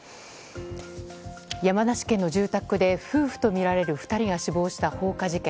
山梨県の住宅で夫婦とみられる２人が死亡した放火事件。